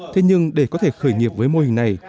thế nhưng để có thể khởi nghiệp với mô hình này